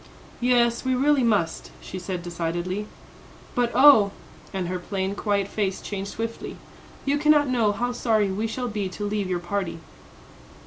"Yes; we really must," she said decidedly. "But oh," and her plain, quiet face changed swiftly, "you cannot know how sorry we shall be to leave your party."